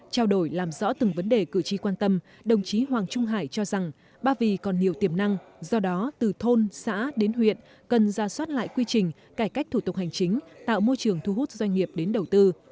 trao đổi làm rõ từng vấn đề cử tri quan tâm đồng chí hoàng trung hải cho rằng ba vì còn nhiều tiềm năng do đó từ thôn xã đến huyện cần ra soát lại quy trình cải cách thủ tục hành chính tạo môi trường thu hút doanh nghiệp đến đầu tư